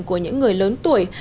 của những người lớn tuổi